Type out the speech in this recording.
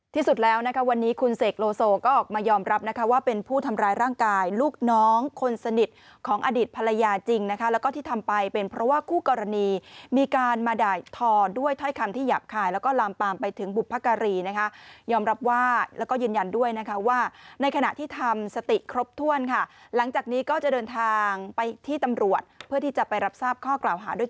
ที่สุดแล้วนะคะวันนี้คุณเสกโลโซก็ออกมายอมรับนะคะว่าเป็นผู้ทำร้ายร่างกายลูกน้องคนสนิทของอดีตภรรยาจริงนะคะแล้วก็ที่ทำไปเป็นเพราะว่าคู่กรณีมีการมาด่าทอด้วยถ้อยคำที่หยาบคายแล้วก็ลามปามไปถึงบุพการีนะคะยอมรับว่าแล้วก็ยืนยันด้วยนะคะว่าในขณะที่ทำสติครบถ้วนค่ะหลังจากนี้ก็จะเดินทางไปที่ตำรวจเพื่อที่จะไปรับทราบข้อกล่าวหาด้วย